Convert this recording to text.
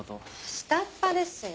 下っ端ですよ